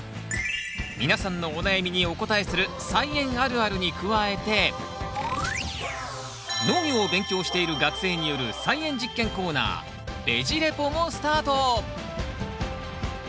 皆さんのお悩みにお答えする「菜園あるある」に加えて農業を勉強している学生による菜園実験コーナー「ベジ・レポ」もスタート！